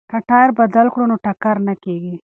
که ټایر بدل کړو نو ټکر نه کیږي.